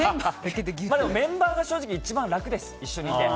メンバーが正直一番楽です、一緒にいて。